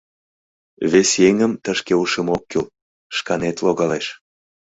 Вес еҥым тышке ушымо ок кӱл, шканет логалеш.